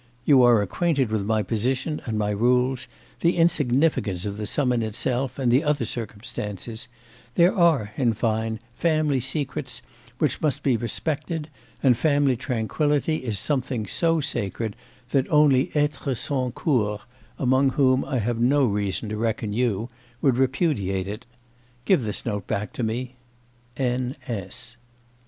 You are acquainted with my position and my rules, the insignificance of the sum in itself and the other circumstances; there are, in fine, family secrets which must be respected, and family tranquillity is something so sacred that only êtres sans coeur (among whom I have no reason to reckon you) would repudiate it! Give this note back to me. N. S.